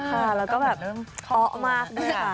แล้วก็แบบอมาก